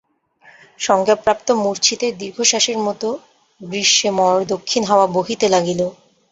সংজ্ঞাপ্রাপ্ত মূর্ছিতের দীর্ঘশ্বাসের মতো গ্রীষেমর দক্ষিণ-হাওয়া বহিতে লাগিল।